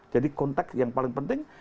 jadi konteks yang paling penting